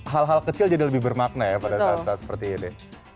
hal hal kecil jadi lebih bermakna ya pada saat saat seperti ini